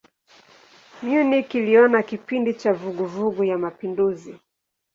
Munich iliona kipindi cha vuguvugu ya mapinduzi.